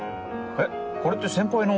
えっこれって先輩の？